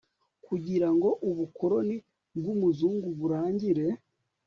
kugirango ubukoloni bw'umuzungu burangire